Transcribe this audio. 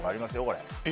これ。